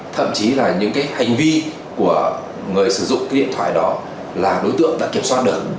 thậm chí là những cái hành vi của người sử dụng cái điện thoại đó là đối tượng đã kiểm soát được